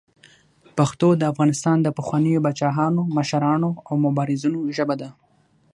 پښتو د افغانستان د پخوانیو پاچاهانو، مشرانو او مبارزینو ژبه ده.